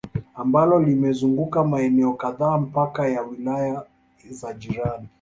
Ambalo limezunguka maeneo kadhaa mpaka ya wilaya za jirani